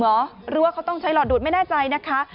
หรือว่าเขาต้องใช้หลอดดูดไม่แน่ใจนะคะ